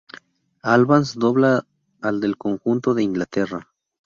Albans dobla al del conjunto de Inglaterra.